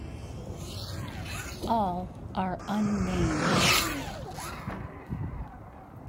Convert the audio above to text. All are unnamed.